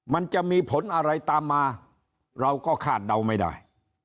มันจะมีผลอะไรตามมาเราก็คาดเดาไม่ได้